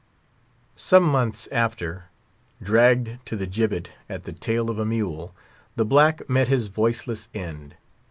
Some months after, dragged to the gibbet at the tail of a mule, the black met his voiceless end.